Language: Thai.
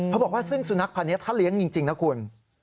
บอกว่าซึ่งสุนัขพันธ์นี้ถ้าเลี้ยงจริงนะคุณ